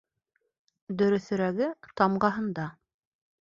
Дөрөҫөрәге, тамғаһында.